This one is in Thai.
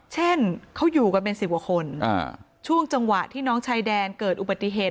เช่นเขาอยู่กันเป็นสิบกว่าคนช่วงจังหวะที่น้องชายแดนเกิดอุบัติเหตุ